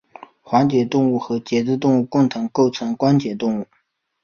环节动物和节肢动物共同构成关节动物。